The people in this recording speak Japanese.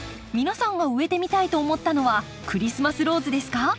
皆さんが植えてみたいと思ったのはクリスマスローズですか？